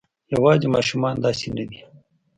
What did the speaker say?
یواځې ماشومان داسې نه دي.